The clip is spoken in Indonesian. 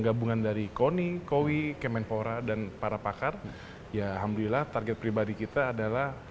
dibuat dan dari connie kowy kemenpora dan para pakar ya alhamdulillah target pribadi kita adalah